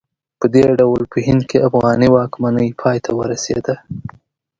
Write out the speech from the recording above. په دې ډول په هند کې افغاني واکمنۍ پای ته ورسېده.